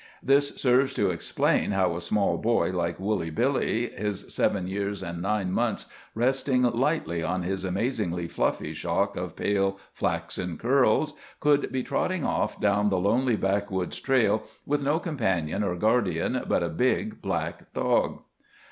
This serves to explain how a small boy like Woolly Billy, his seven years and nine months resting lightly on his amazingly fluffy shock of pale flaxen curls, could be trotting off down the lonely backwoods trail with no companion or guardian but a big, black dog.